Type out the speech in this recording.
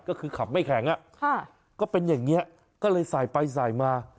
ก็คือขับไม่แข็งก็เป็นอย่างนี้ก็เลยสายไปสายมา